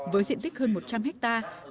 với diện tích hơn một trăm linh hectare